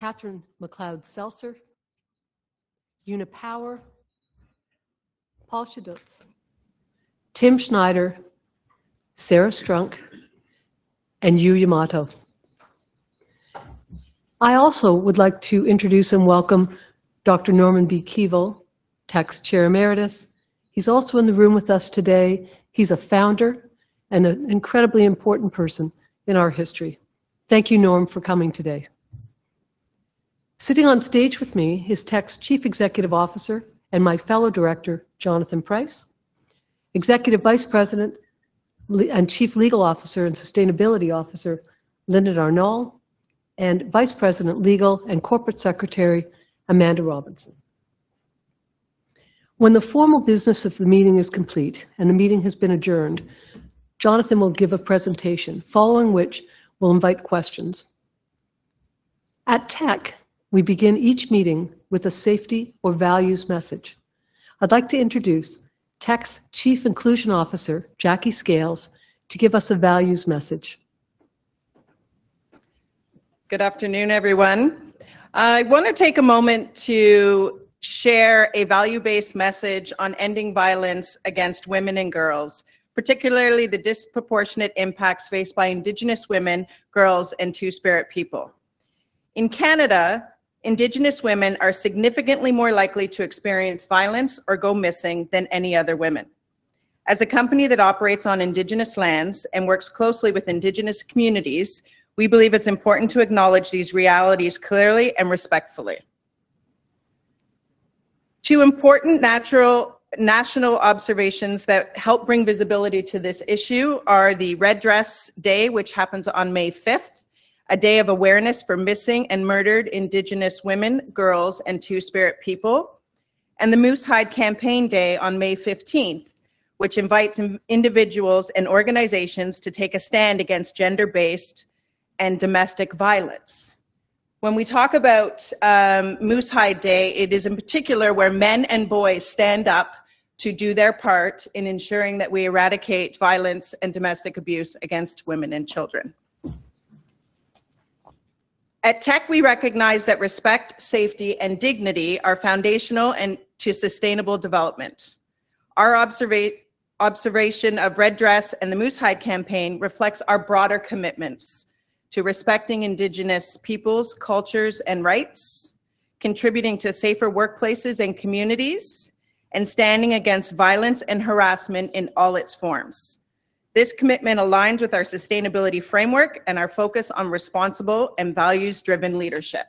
Catherine McLeod-Seltzer, Una Power, Paul G. Schiodtz, Tim Snider, Sarah A. Strunk, and Yu Yamato. I also would like to introduce and welcome Dr. Norman B. Keevil, Teck's Chair Emeritus. He's also in the room with us today. He's a founder and an incredibly important person in our history. Thank you, Norm, for coming today. Sitting on stage with me is Teck's Chief Executive Officer and my fellow director, Jonathan Price, Executive Vice President and Chief Legal and Sustainability Officer, Lyndon Arnall, and Vice President, Legal and Corporate Secretary, Amanda Robinson. When the formal business of the meeting is complete and the meeting has been adjourned, Jonathan will give a presentation, following which we'll invite questions. At Teck, we begin each meeting with a safety or values message. I'd like to introduce Teck's Chief Inclusion Officer, Jackie Scales, to give us a values message. Good afternoon, everyone. I want to take a moment to share a value-based message on ending violence against women and girls, particularly the disproportionate impacts faced by indigenous women, girls, and two-spirit people. In Canada, indigenous women are significantly more likely to experience violence or go missing than any other women. As a company that operates on indigenous lands and works closely with indigenous communities, we believe it's important to acknowledge these realities clearly and respectfully. Two important national observations that help bring visibility to this issue are the Red Dress Day, which happens on May 5th, a day of awareness for missing and murdered indigenous women, girls, and two-spirit people, and the Moose Hide Campaign Day on May 15th, which invites individuals and organizations to take a stand against gender-based and domestic violence. When we talk about Moose Hide Day, it is in particular where men and boys stand up to do their part in ensuring that we eradicate violence and domestic abuse against women and children. At Teck, we recognize that respect, safety, and dignity are foundational to sustainable development. Our observation of Red Dress and the Moose Hide campaign reflects our broader commitments to respecting Indigenous peoples, cultures, and rights, contributing to safer workplaces and communities, and standing against violence and harassment in all its forms. This commitment aligns with our sustainability framework and our focus on responsible and values-driven leadership.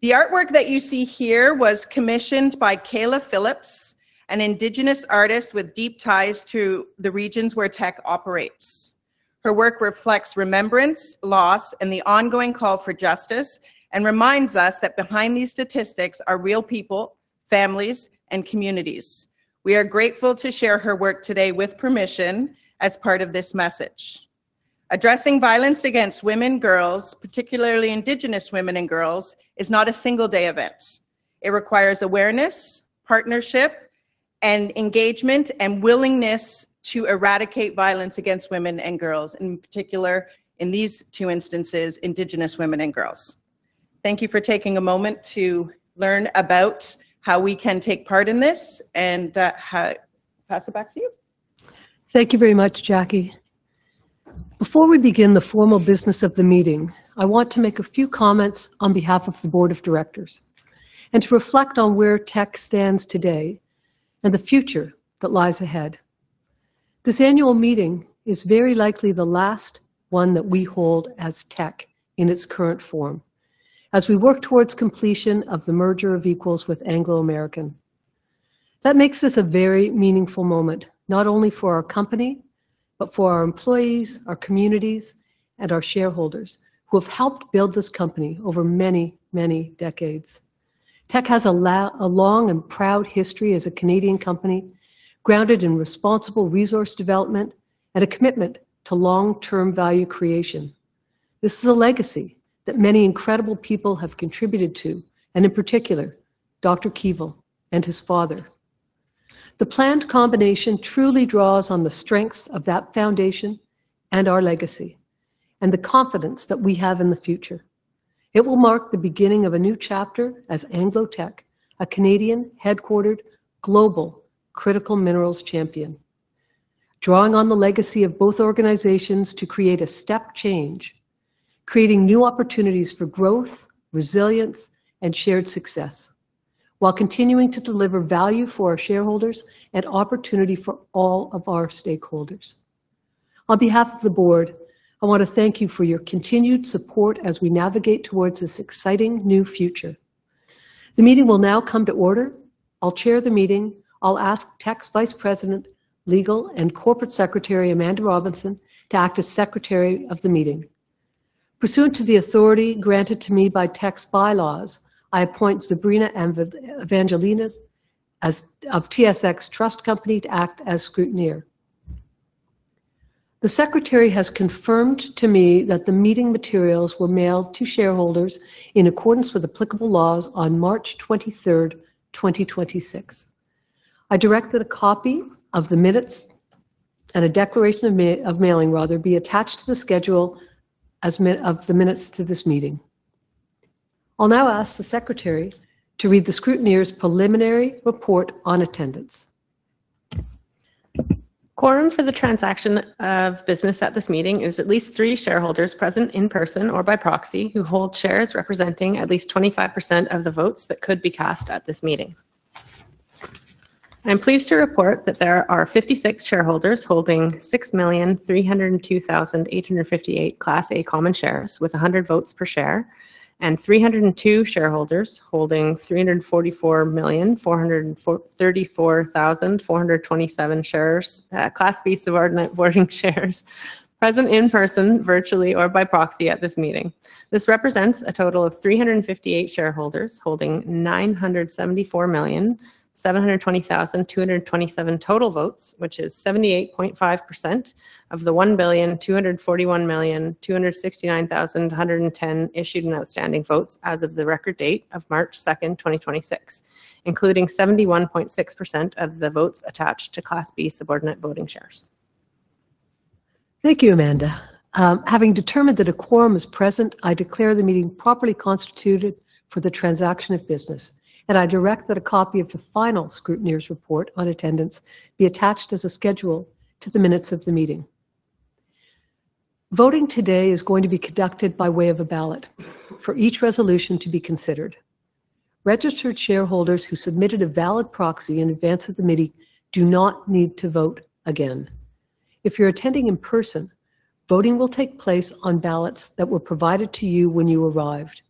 The artwork that you see here was commissioned by Kayla Phillips, an Indigenous artist with deep ties to the regions where Teck operates. Her work reflects remembrance, loss, and the ongoing call for justice and reminds us that behind these statistics are real people, families, and communities. We are grateful to share her work today with permission as part of this message. Addressing violence against women, girls, particularly Indigenous women and girls, is not a single-day event. It requires awareness, partnership, and engagement and willingness to eradicate violence against women and girls, in particular, in these two instances, Indigenous women and girls. Thank you for taking a moment to learn about how we can take part in this, and pass it back to you. Thank you very much, Jackie. Before we begin the formal business of the meeting, I want to make a few comments on behalf of the Board of Directors and to reflect on where Teck stands today and the future that lies ahead. This annual meeting is very likely the last one that we hold as Teck in its current form, as we work towards completion of the merger of equals with Anglo American. That makes this a very meaningful moment, not only for our company, but for our employees, our communities, and our shareholders who have helped build this company over many, many decades. Teck has a long and proud history as a Canadian company, grounded in responsible resource development and a commitment to long-term value creation. This is a legacy that many incredible people have contributed to, and in particular, Dr. Keevil and his father. The planned combination truly draws on the strengths of that foundation and our legacy, and the confidence that we have in the future. It will mark the beginning of a new chapter as Anglo Teck, a Canadian headquartered global critical minerals champion. Drawing on the legacy of both organizations to create a step change, creating new opportunities for growth, resilience, and shared success, while continuing to deliver value for our shareholders and opportunity for all of our stakeholders. On behalf of the board, I want to thank you for your continued support as we navigate towards this exciting new future. The meeting will now come to order. I'll chair the meeting. I'll ask Teck's Vice President, Legal and Corporate Secretary, Amanda Robinson, to act as Secretary of the meeting. Pursuant to the authority granted to me by Teck's bylaws, I appoint Zabrina Evangelista of TSX Trust Company to act as scrutineer. The Secretary has confirmed to me that the meeting materials were mailed to shareholders in accordance with applicable laws on March 23rd, 2026. I directed a copy of the minutes and a declaration of mailing be attached to the schedule of the minutes to this meeting. I'll now ask the secretary to read the scrutineer's preliminary report on attendance. Quorum for the transaction of business at this meeting is at least three shareholders present in person or by proxy who hold shares representing at least 25% of the votes that could be cast at this meeting. I'm pleased to report that there are 56 shareholders holding 6,302,858 Class A common shares with 100 votes per share, and 302 shareholders holding 344,434,427 shares, Class B subordinate voting shares present in person, virtually, or by proxy at this meeting. This represents a total of 358 shareholders holding 974,720,227 total votes, which is 78.5% of the 1,241,269,110 issued and outstanding votes as of the record date of March 2nd, 2026, including 71.6% of the votes attached to Class B subordinate voting shares. Thank you, Amanda. Having determined that a quorum is present, I declare the meeting properly constituted for the transaction of business. I direct that a copy of the final scrutineer's report on attendance be attached as a schedule to the minutes of the meeting. Voting today is going to be conducted by way of a ballot for each resolution to be considered. Registered shareholders who submitted a valid proxy in advance of the meeting do not need to vote again. If you're attending in person, voting will take place on ballots that were provided to you when you arrived.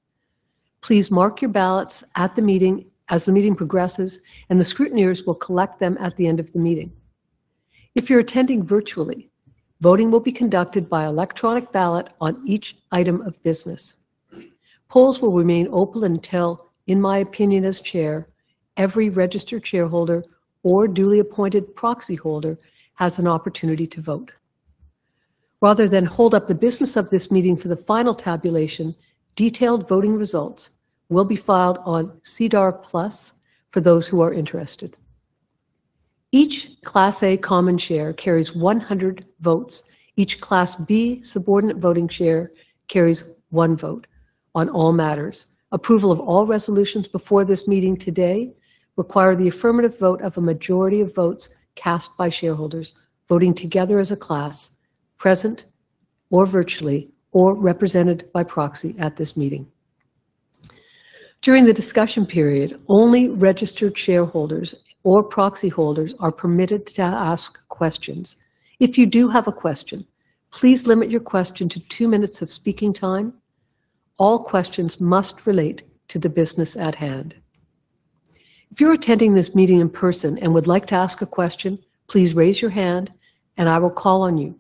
Please mark your ballots at the meeting as the meeting progresses, and the scrutineers will collect them at the end of the meeting. If you're attending virtually, voting will be conducted by electronic ballot on each item of business. Polls will remain open until, in my opinion as Chair, every registered shareholder or duly appointed proxy holder has an opportunity to vote. Rather than hold up the business of this meeting for the final tabulation, detailed voting results will be filed on SEDAR+ for those who are interested. Each Class A common share carries 100 votes. Each Class B subordinate voting share carries one vote on all matters. Approval of all resolutions before this meeting today require the affirmative vote of a majority of votes cast by shareholders voting together as a class, present or virtually, or represented by proxy at this meeting. During the discussion period, only registered shareholders or proxy holders are permitted to ask questions. If you do have a question, please limit your question to two minutes of speaking time. All questions must relate to the business at hand. If you're attending this meeting in person and would like to ask a question, please raise your hand and I will call on you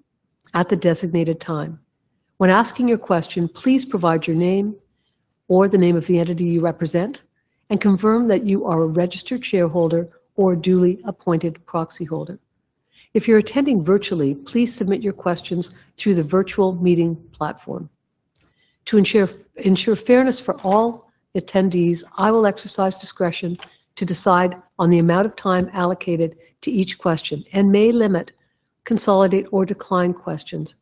at the designated time. When asking your question, please provide your name or the name of the entity you represent and confirm that you are a registered shareholder or a duly appointed proxy holder. If you're attending virtually, please submit your questions through the virtual meeting platform. To ensure fairness for all attendees, I will exercise discretion to decide on the amount of time allocated to each question and may limit, consolidate, or decline questions.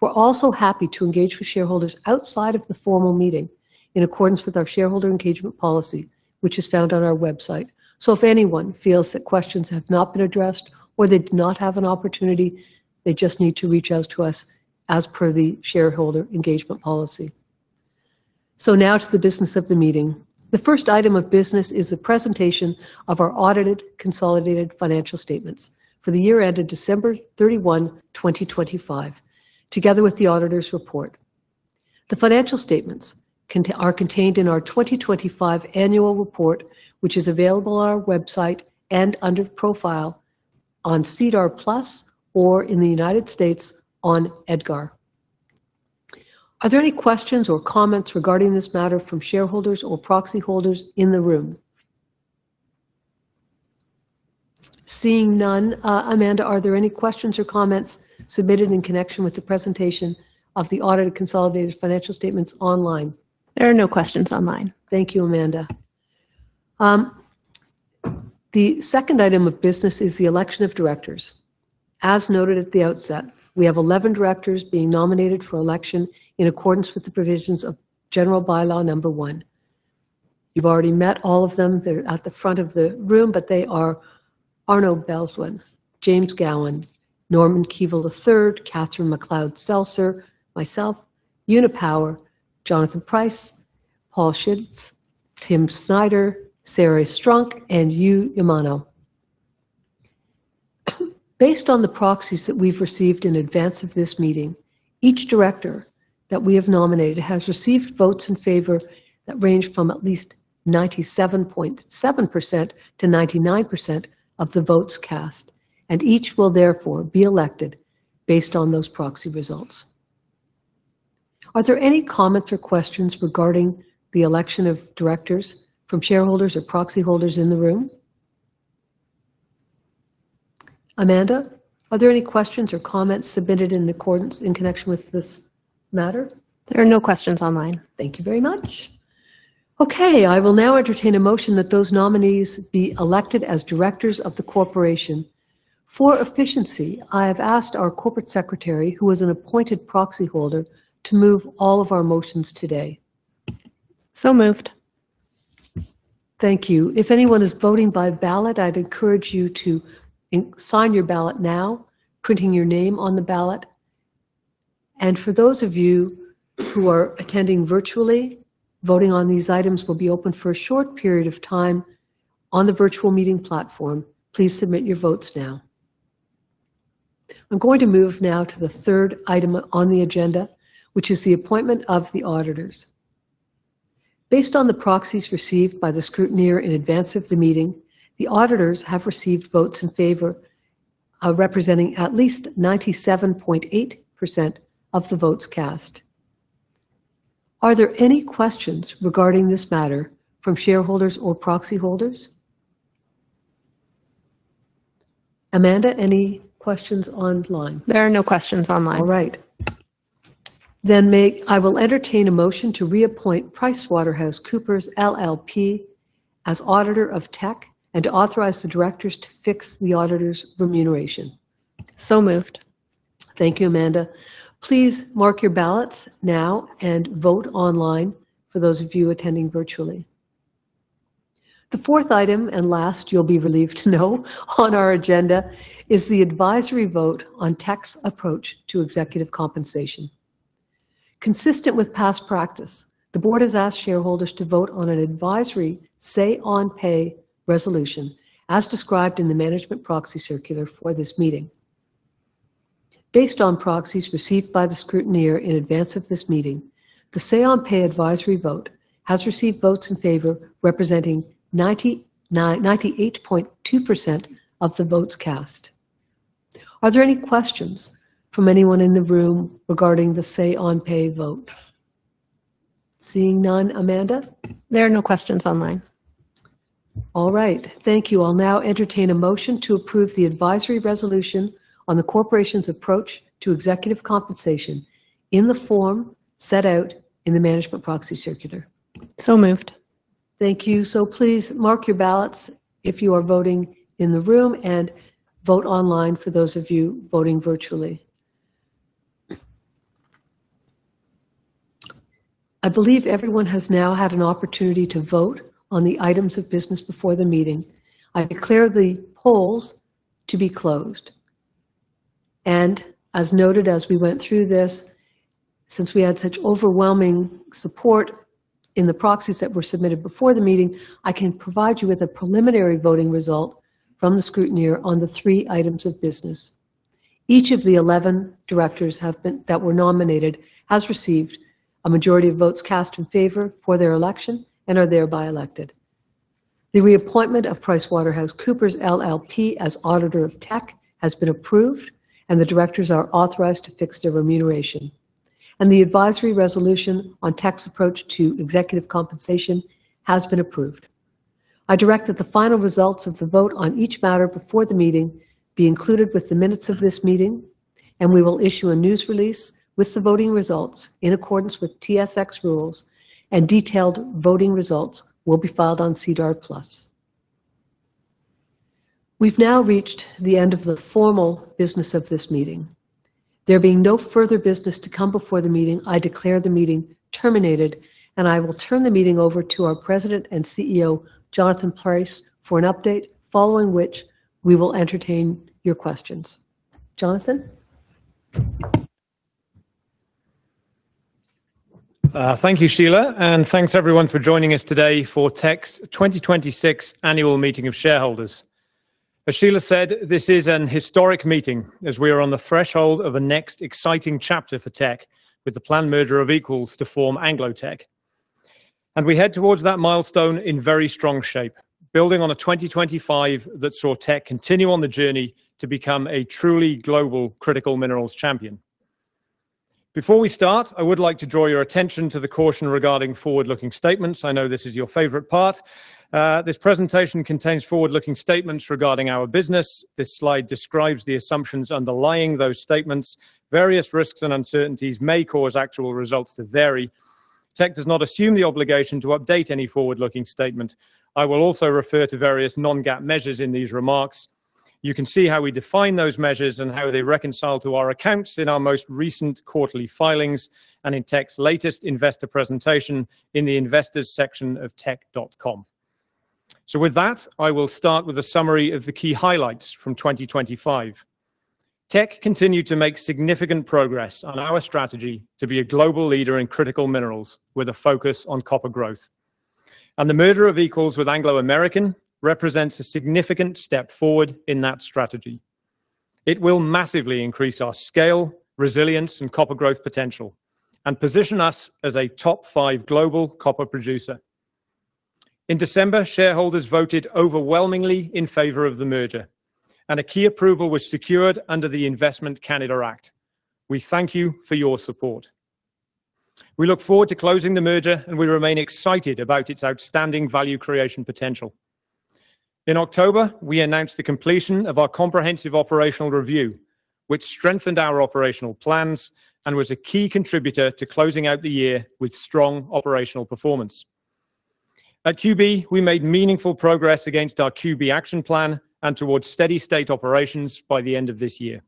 We're also happy to engage with shareholders outside of the formal meeting in accordance with our shareholder engagement policy, which is found on our website. If anyone feels that questions have not been addressed or they did not have an opportunity, they just need to reach out to us as per the shareholder engagement policy. Now to the business of the meeting. The first item of business is the presentation of our audited consolidated financial statements for the year ended December 31, 2025, together with the auditor's report. The financial statements are contained in our 2025 annual report, which is available on our website and under Profile on SEDAR+ or in the United States on EDGAR. Are there any questions or comments regarding this matter from shareholders or proxy holders in the room? Seeing none, Amanda, are there any questions or comments submitted in connection with the presentation of the audited consolidated financial statements online? There are no questions online. Thank you, Amanda. The second item of business is the election of directors. As noted at the outset, we have 11 directors being nominated for election in accordance with the provisions of General By-law No. 1. You've already met all of them. They're at the front of the room, but they are Arnoud Balhuizen, James Gowans, Norman B. Keevil III, Catherine McLeod-Seltzer, myself, Una Power, Jonathan Price, Paul Schiodtz, Tim Snider, Sarah Strunk, and Yu Yamato. Based on the proxies that we've received in advance of this meeting, each director that we have nominated has received votes in favor that range from at least 97.7% to 99% of the votes cast, and each will therefore be elected based on those proxy results. Are there any comments or questions regarding the election of directors from shareholders or proxy holders in the room? Amanda, are there any questions or comments submitted in connection with this matter? There are no questions online. Thank you very much. Okay, I will now entertain a motion that those nominees be elected as directors of the corporation. For efficiency, I have asked our corporate secretary, who is an appointed proxy holder, to move all of our motions today. It's all moved. Thank you. If anyone is voting by ballot, I'd encourage you to sign your ballot now, printing your name on the ballot. For those of you who are attending virtually, voting on these items will be open for a short period of time on the virtual meeting platform. Please submit your votes now. I'm going to move now to the third item on the agenda, which is the appointment of the auditors. Based on the proxies received by the scrutineer in advance of the meeting, the auditors have received votes in favor, representing at least 97.8% of the votes cast. Are there any questions regarding this matter from shareholders or proxy holders? Amanda, any questions online? There are no questions online. All right. I will entertain a motion to reappoint PricewaterhouseCoopers LLP as auditor of Teck and to authorize the directors to fix the auditor's remuneration. It's all moved. Thank you, Amanda. Please mark your ballots now and vote online for those of you attending virtually. The fourth item and last, you'll be relieved to know on our agenda, is the advisory vote on Teck's approach to executive compensation. Consistent with past practice, the board has asked shareholders to vote on an advisory say-on-pay resolution as described in the management proxy circular for this meeting. Based on proxies received by the scrutineer in advance of this meeting, the say-on-pay advisory vote has received votes in favor representing 98.2% of the votes cast. Are there any questions from anyone in the room regarding the say-on-pay vote? Seeing none. Amanda? There are no questions online. All right. Thank you. I'll now entertain a motion to approve the advisory resolution on the corporation's approach to executive compensation in the form set out in the management proxy circular. It's all moved. Thank you. Please mark your ballots if you are voting in the room, and vote online for those of you voting virtually. I believe everyone has now had an opportunity to vote on the items of business before the meeting. I declare the polls to be closed. As noted as we went through this, since we had such overwhelming support in the proxies that were submitted before the meeting, I can provide you with a preliminary voting result from the scrutineer on the three items of business. Each of the 11 directors that were nominated has received a majority of votes cast in favor for their election and are thereby elected. The reappointment of PricewaterhouseCoopers LLP as auditor of Teck has been approved, and the directors are authorized to fix their remuneration, and the advisory resolution on Teck's approach to executive compensation has been approved. I direct that the final results of the vote on each matter before the meeting be included with the minutes of this meeting, and we will issue a news release with the voting results in accordance with TSX rules, and detailed voting results will be filed on SEDAR+. We've now reached the end of the formal business of this meeting. There being no further business to come before the meeting, I declare the meeting terminated, and I will turn the meeting over to our President and CEO, Jonathan Price, for an update, following which we will entertain your questions. Jonathan? Thank you, Sheila. Thanks everyone for joining us today for Teck's 2026 Annual Meeting of Shareholders. As Sheila said, this is an historic meeting as we are on the threshold of a next exciting chapter for Teck with the planned merger of equals to form Anglo Teck. We head towards that milestone in very strong shape, building on a 2025 that saw Teck continue on the journey to become a truly global critical minerals champion. Before we start, I would like to draw your attention to the caution regarding forward-looking statements. I know this is your favorite part. This presentation contains forward-looking statements regarding our business. This slide describes the assumptions underlying those statements. Various risks and uncertainties may cause actual results to vary. Teck does not assume the obligation to update any forward-looking statement. I will also refer to various non-GAAP measures in these remarks. You can see how we define those measures and how they reconcile to our accounts in our most recent quarterly filings and in Teck's latest investor presentation in the Investors section of teck.com. With that, I will start with a summary of the key highlights from 2025. Teck continued to make significant progress on our strategy to be a global leader in critical minerals with a focus on copper growth. The merger of equals with Anglo American represents a significant step forward in that strategy. It will massively increase our scale, resilience, and copper growth potential and position us as a top five global copper producer. In December, shareholders voted overwhelmingly in favor of the merger, and a key approval was secured under the Investment Canada Act. We thank you for your support. We look forward to closing the merger, and we remain excited about its outstanding value creation potential. In October, we announced the completion of our comprehensive operational review, which strengthened our operational plans and was a key contributor to closing out the year with strong operational performance. At QB, we made meaningful progress against our QB Action Plan and towards steady state operations by the end of this year.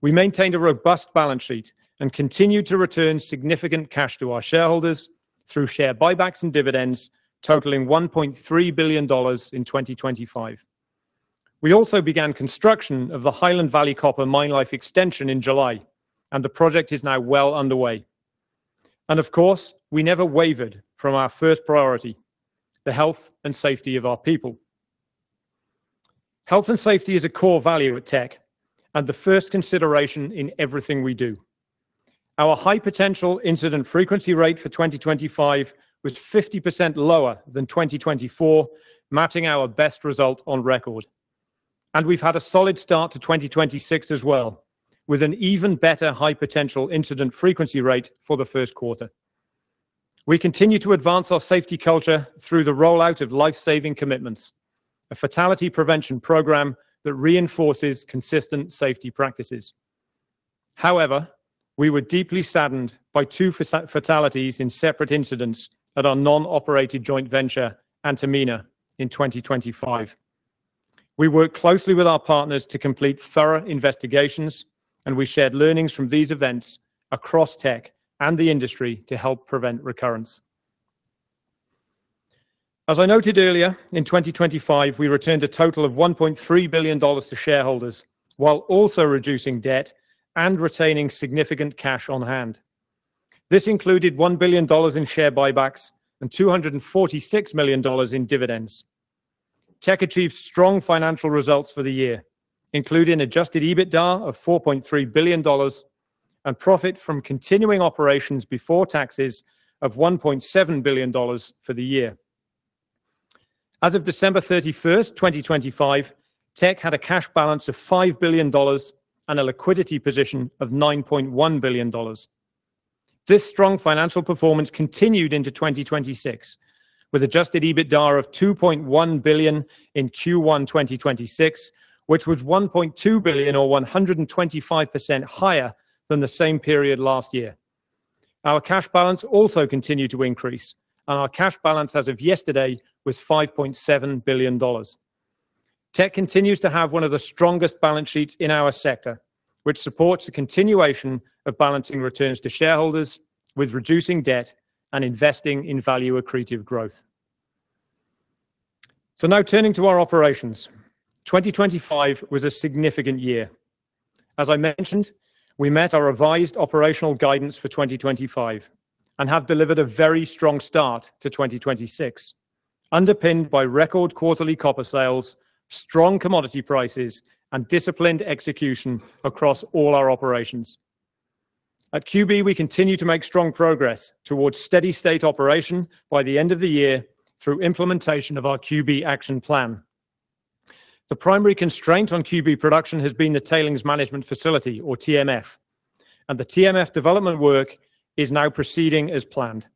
We maintained a robust balance sheet and continued to return significant cash to our shareholders through share buybacks and dividends, totaling 1.3 billion dollars in 2025. We also began construction of the Highland Valley Copper mine life extension in July, and the project is now well underway. Of course, we never wavered from our first priority, the health and safety of our people. Health and safety is a core value at Teck and the first consideration in everything we do. Our high potential incident frequency rate for 2025 was 50% lower than 2024, matching our best result on record. We've had a solid start to 2026 as well, with an even better high potential incident frequency rate for the first quarter. We continue to advance our safety culture through the rollout of Life-Saving Commitments, a fatality prevention program that reinforces consistent safety practices. However, we were deeply saddened by two fatalities in separate incidents at our non-operated joint venture, Antamina, in 2025. We worked closely with our partners to complete thorough investigations, and we shared learnings from these events across Teck and the industry to help prevent recurrence. As I noted earlier, in 2025, we returned a total of 1.3 billion dollars to shareholders while also reducing debt and retaining significant cash on hand. This included 1 billion dollars in share buybacks and 246 million dollars in dividends. Teck achieved strong financial results for the year, including adjusted EBITDA of 4.3 billion dollars and profit from continuing operations before taxes of 1.7 billion dollars for the year. As of December 31st, 2025, Teck had a cash balance of 5 billion dollars and a liquidity position of 9.1 billion dollars. This strong financial performance continued into 2026, with adjusted EBITDA of 2.1 billion in Q1 2026, which was 1.2 billion or 125% higher than the same period last year. Our cash balance also continued to increase, and our cash balance as of yesterday was 5.7 billion dollars. Teck continues to have one of the strongest balance sheets in our sector, which supports the continuation of balancing returns to shareholders with reducing debt and investing in value-accretive growth. Now turning to our operations. 2025 was a significant year. As I mentioned, we met our revised operational guidance for 2025 and have delivered a very strong start to 2026, underpinned by record quarterly copper sales, strong commodity prices, and disciplined execution across all our operations. At QB, we continue to make strong progress towards steady state operation by the end of the year through implementation of our QB Action Plan. The primary constraint on QB production has been the Tailings Management Facility or TMF, and the TMF development work is now proceeding as planned.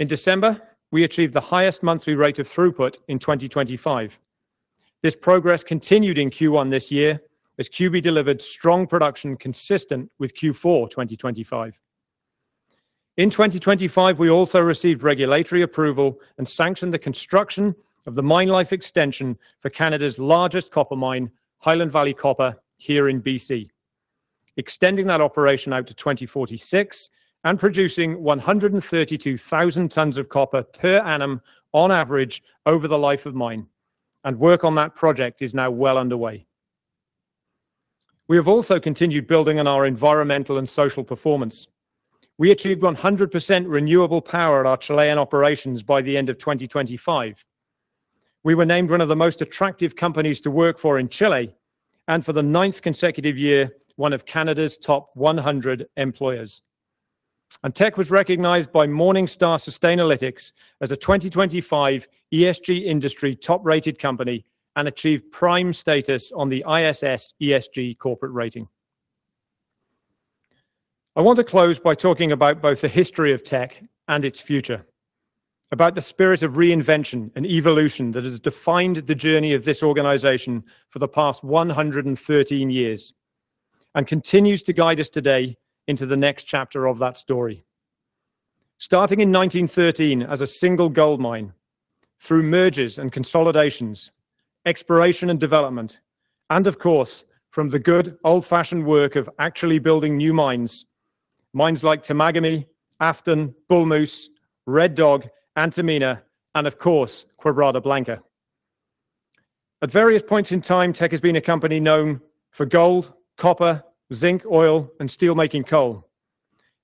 In December, we achieved the highest monthly rate of throughput in 2025. This progress continued in Q1 this year as QB delivered strong production consistent with Q4 2025. In 2025, we also received regulatory approval and sanctioned the construction of the mine life extension for Canada's largest copper mine, Highland Valley Copper, here in B.C., extending that operation out to 2046 and producing 132,000 tons of copper per annum on average over the life of mine. Work on that project is now well underway. We have also continued building on our environmental and social performance. We achieved 100% renewable power at our Chilean operations by the end of 2025. We were named one of the most attractive companies to work for in Chile, and for the ninth consecutive year, one of Canada's top 100 employers. Teck was recognized by Morningstar Sustainalytics as a 2025 ESG Industry Top-Rated company and achieved prime status on the ISS ESG corporate rating. I want to close by talking about both the history of Teck and its future, about the spirit of reinvention and evolution that has defined the journey of this organization for the past 113 years, and continues to guide us today into the next chapter of that story. Starting in 1913 as a single gold mine, through mergers and consolidations, exploration and development, and of course, from the good old-fashioned work of actually building new mines like Temagami, Afton, Bull Moose, Red Dog, Antamina, and of course, Quebrada Blanca. At various points in time, Teck has been a company known for gold, copper, zinc, oil, and steel-making coal,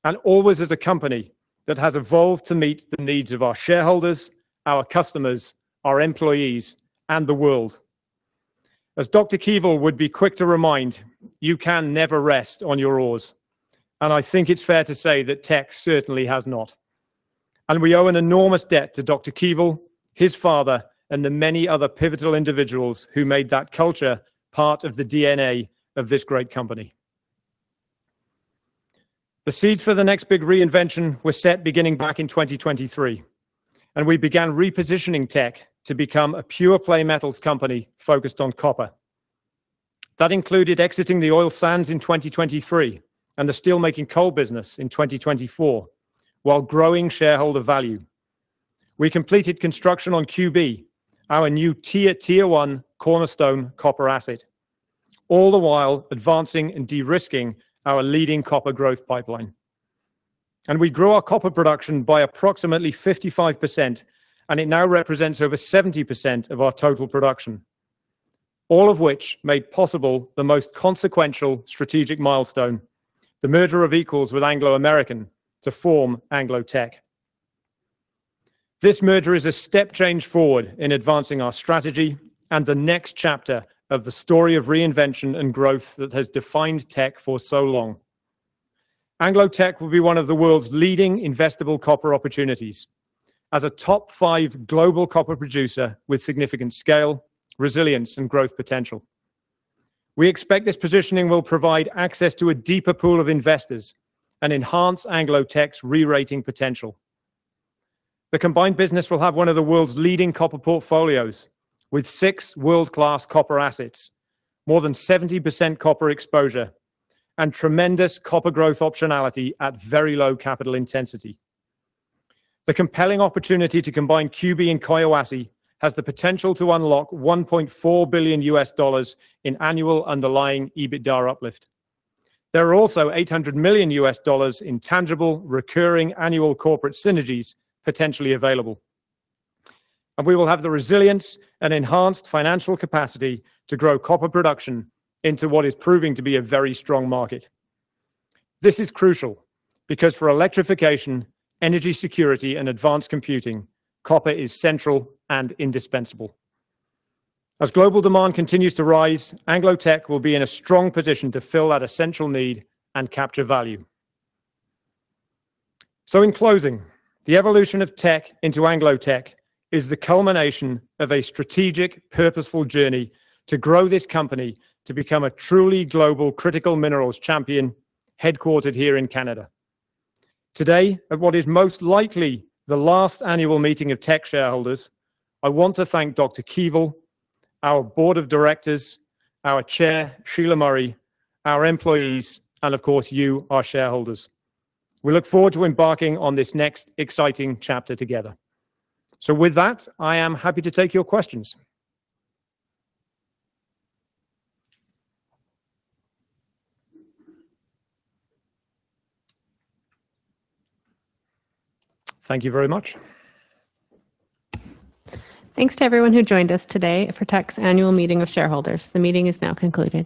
and always as a company that has evolved to meet the needs of our shareholders, our customers, our employees, and the world. As Dr. Keevil would be quick to remind, you can never rest on your oars, and I think it's fair to say that Teck certainly has not. We owe an enormous debt to Dr. Keevil, his father, and the many other pivotal individuals who made that culture part of the DNA of this great company. The seeds for the next big reinvention were set beginning back in 2023, and we began repositioning Teck to become a pure-play metals company focused on copper. That included exiting the oil sands in 2023 and the steelmaking coal business in 2024 while growing shareholder value. We completed construction on QB, our new tier one cornerstone copper asset, all the while advancing and de-risking our leading copper growth pipeline. We grew our copper production by approximately 55%, and it now represents over 70% of our total production. All of which made possible the most consequential strategic milestone, the merger of equals with Anglo American to form Anglo Teck. This merger is a step change forward in advancing our strategy and the next chapter of the story of reinvention and growth that has defined Teck for so long. Anglo Teck will be one of the world's leading investable copper opportunities as a top five global copper producer with significant scale, resilience, and growth potential. We expect this positioning will provide access to a deeper pool of investors and enhance Anglo Teck's re-rating potential. The combined business will have one of the world's leading copper portfolios with six world-class copper assets, more than 70% copper exposure, and tremendous copper growth optionality at very low capital intensity. The compelling opportunity to combine QB and Collahuasi has the potential to unlock $1.4 billion in annual underlying EBITDA uplift. There are also $800 million in tangible, recurring annual corporate synergies potentially available. We will have the resilience and enhanced financial capacity to grow copper production into what is proving to be a very strong market. This is crucial because for electrification, energy security, and advanced computing, copper is central and indispensable. As global demand continues to rise, Anglo Teck will be in a strong position to fill that essential need and capture value. In closing, the evolution of Teck into Anglo Teck is the culmination of a strategic, purposeful journey to grow this company to become a truly global critical minerals champion headquartered here in Canada. Today, at what is most likely the last annual meeting of Teck shareholders, I want to thank Dr. Keevil, our board of directors, our Chair, Sheila Murray, our employees, and of course, you, our shareholders. We look forward to embarking on this next exciting chapter together. With that, I am happy to take your questions. Thank you very much. Thanks to everyone who joined us today for Teck's annual meeting of shareholders. The meeting is now concluding.